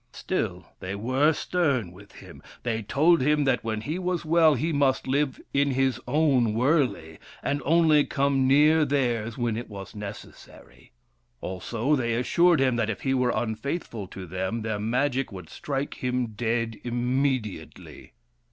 Still, they were stern with him. They told him that when he was well he must live in his own wurley and only come near theirs when it was necessary. Also, they assured him that if he were unfaithful to them their Magic would strike him dead immediately.